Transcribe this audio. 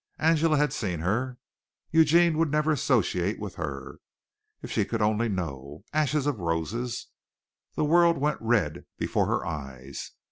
Angela had seen her. Eugene would never associate with her. If she could only know! "Ashes of Roses!" The world went red before her eyes.